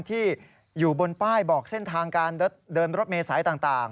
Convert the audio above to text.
ที่อยู่บนป้ายบอกเส้นทางการเดินรถเมษายต่าง